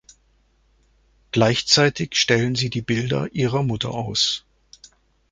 Gleichzeitig stellen sie die Bilder ihrer Mutter aus.